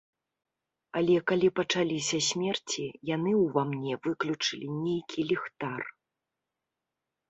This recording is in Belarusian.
Але калі пачаліся смерці, яны ўва мне выключылі нейкі ліхтар.